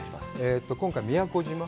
今回は宮古島？